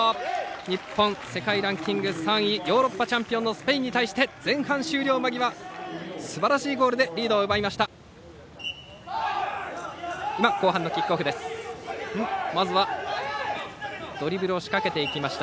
日本、世界ランキング３位ヨーロッパチャンピオンのスペインに対して前半終了間際すばらしいゴールでリードを奪いました。